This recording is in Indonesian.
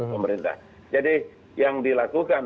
pemerintah jadi yang dilakukan